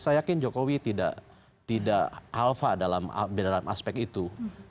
saya yakin jokowi tidak alpha dalam aspek itu